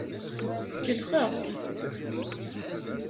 Kellxeɣ-ak.